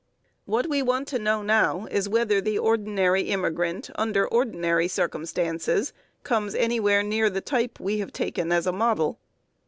What we want to know now is whether the ordinary immigrant under ordinary circumstances comes anywhere near the type we have taken as a model.